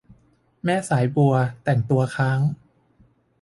แม่สายบัวแต่งตัวค้าง